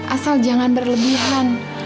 asal jangan berlebihan